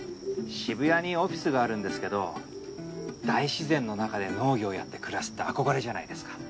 渋谷にオフィスがあるんですけど大自然の中で農業やって暮らすって憧れじゃないですか。